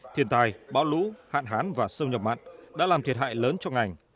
thiên tài bão lũ hạn hán và sông nhập mặn đã làm thiệt hại lớn cho ngành